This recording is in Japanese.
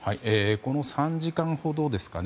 この３時間ほどですかね